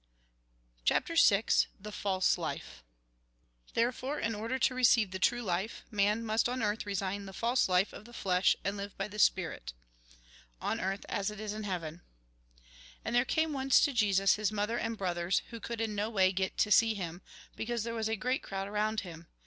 CHAPTER VI THE FALSE LIFE Therefore, in order to receive the true life, man must on earth resign the false life of the flesh, and live by the spirit {' cartb, as in beaven") And there came once to Jesus his mother and brothers, who could in no way get to see him, because there was a great crowd around him.